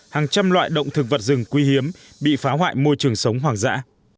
hàng trăm loại động thực vật rừng quý hiếm bị phá hoại môi trường sống hoàng dã